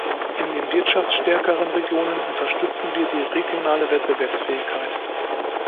In den wirtschaftsstärkeren Regionen unterstützen wir die regionale Wettbewerbsfähigkeit.